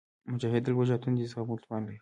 مجاهد د لوږې او تندې زغملو توان لري.